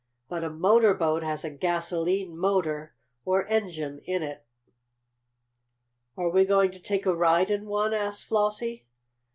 But a motor boat has a gasolene motor, or engine, in it." "And are we going to ride in one?" asked Flossie.